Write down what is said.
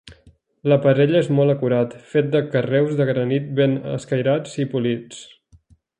L'aparell és molt acurat, fet de carreus de granit ben escairats i polits.